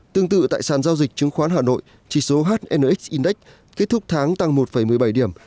tương tự tại sàn giao dịch chứng khoán hà nội chỉ số hnx index kết thúc tháng tăng một một mươi bảy điểm